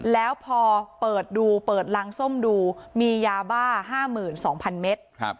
แล้วพอเปิดดูเปิดรังส้มดูมียาบ้า๕๒๐๐๐เมตร